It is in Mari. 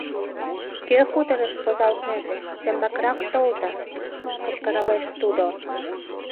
Кӧ хуторыш возалтнеже, тембакырак толза, — кычкыралеш тудо.